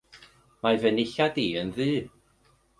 Mae fy nillad i yn ddu.